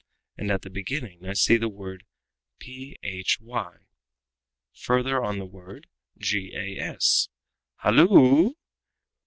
And at the beginning I see the word phy; further on the word gas. Halloo!